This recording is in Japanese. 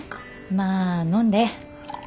まあ飲んで。